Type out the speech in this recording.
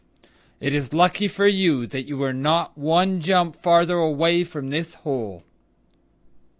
"It is lucky for you that you were not one jump farther away from this hole."